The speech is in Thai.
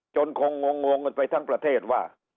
คงงกันไปทั้งประเทศว่า